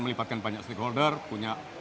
melibatkan banyak stakeholder punya